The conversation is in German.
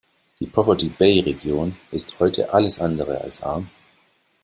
Die Poverty Bay-Region ist heute alles andere als arm.